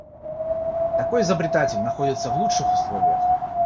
Такой изобретатель находится в лучших условиях.